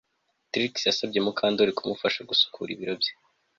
Trix yasabye Mukandoli kumufasha gusukura ibiro bye